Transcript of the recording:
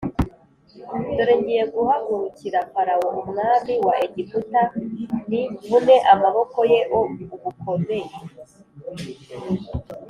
dore ngiye guhagurukira Farawo umwami wa Egiputa n mvune amaboko ye o ugukomeye